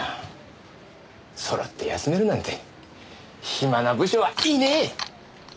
揃って休めるなんて暇な部署はいいね。